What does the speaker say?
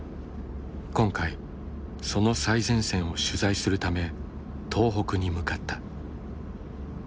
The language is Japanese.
今回その最前線を取材するため東北に向かった。